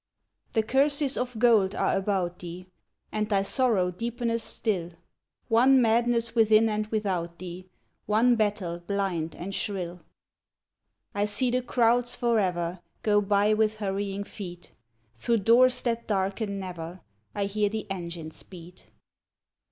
The curses of gold are about thee, And thy sorrow deepeneth still; One madness within and without thee. One battle blind and shrill. 2l6 ALCYONE I see the crowds for ever Go by with hurrying feet; Through doors that darken never I hear the engines beat.